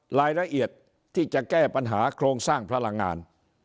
รายละเอียดที่จะแก้ปัญหาโครงสร้างพลังงาน